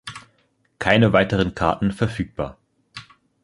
Keine weiteren Karten verfügbar.